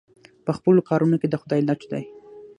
په خپلو کارونو کې د خدای لټ دی.